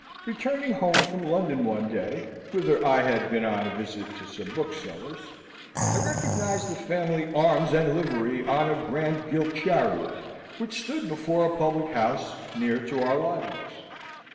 Returning home from London one day, whither I had been on a visit to some booksellers, I recognised the family arms and livery on a grand gilt chariot which stood before a public house near to our lodgings.